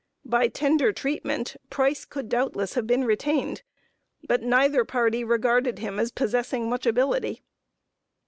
By tender treatment, Price could doubtless have been retained; but neither party regarded him as possessing much ability.